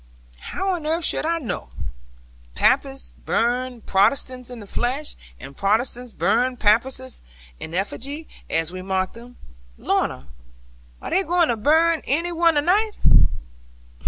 'How on earth should I know? Papists burn Protestants in the flesh; and Protestants burn Papists in effigy, as we mock them. Lorna, are they going to burn any one to night?'